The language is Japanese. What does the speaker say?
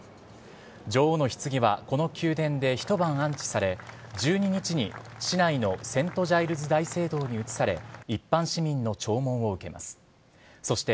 女王のひつぎはこの宮殿で一晩安置され、１２日に市内のセントジャイルズ大聖堂に移され、一般市民の弔問を受けました。